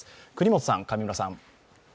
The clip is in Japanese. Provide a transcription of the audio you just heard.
國本さん、上村さん。